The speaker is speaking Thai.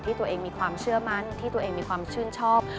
ตัวเองมีความเชื่อมั่นที่ตัวเองมีความชื่นชอบ